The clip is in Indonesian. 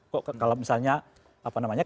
kalau misalnya apa namanya